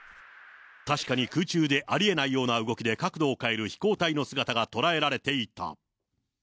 確かに空中でありえないような動きで角度を変える飛行体の姿が捉えられていた。